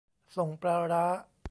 ส่งปลาร้า